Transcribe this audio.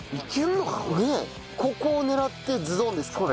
ここを狙ってズドンですか？